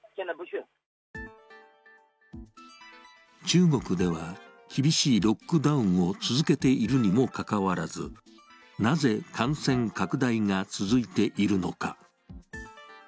中国では、厳しいロックダウンを続けているにもかかわらずなぜ感染拡大が続いているのか？